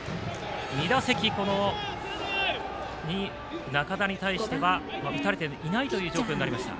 ２打席、この仲田に対しては打たれていないという状況になりました。